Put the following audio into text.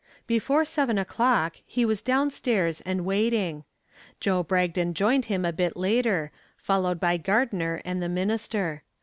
Before seven o'clock he was down stairs and waiting. Joe Bragdon joined him a bit later, followed by Gardner and the minister.